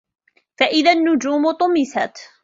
فَإِذَا النُّجومُ طُمِسَت